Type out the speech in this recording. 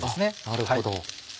なるほど。